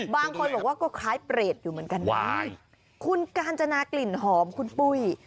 บางคนบอกว่าก็คล้ายเปรตอยู่เหมือนกันนะคุณกาญจนากลิ่นหอมคุณปุ้ย